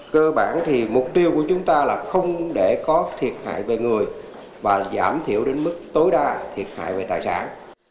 cơ bản thì mục tiêu của chúng ta là không để có thiệt hại về người và giảm thiểu đến mức tối đa thiệt hại về tài sản